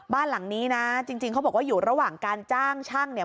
บ้านหลังนี้นะจริงเขาบอกว่าอยู่ระหว่างการจ้างช่างเนี่ย